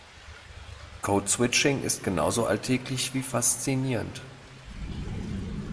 Code Switching ist genauso alltäglich wie faszinierend.